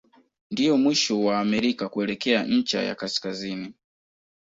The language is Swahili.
Ndio mwisho wa Amerika kuelekea ncha ya kaskazini.